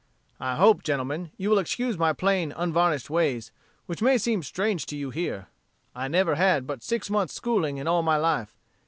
"I hope, gentlemen, you will excuse my plain, unvarnished ways, which may seem strange to you here. I never had but six months' schooling in all my life.